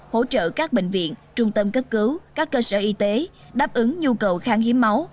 hỗ trợ các bệnh viện trung tâm cấp cứu các cơ sở y tế đáp ứng nhu cầu kháng hiếm máu